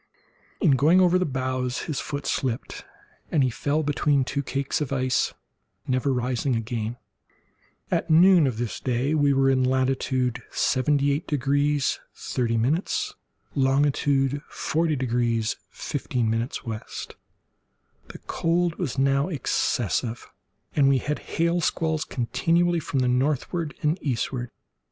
In going over the bows his foot slipped, and he fell between two cakes of ice, never rising again. At noon of this day we were in latitude 78 degrees 30', longitude 40 degrees 15' W. The cold was now excessive, and we had hail squalls continually from the northward and eastward.